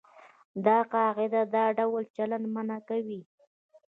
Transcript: دا قاعده دا ډول چلند منع کوي.